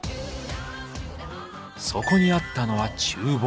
そこにあったのは厨房。